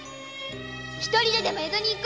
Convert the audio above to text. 一人ででも江戸に行く！